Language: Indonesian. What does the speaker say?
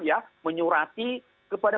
ya menyurati kepada